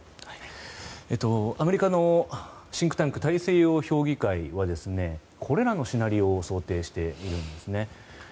アメリカのシンクタンク大西洋評議会はこれらのシナリオを想定しているんですね。